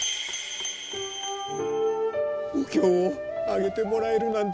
お経をあげてもらえるなんて。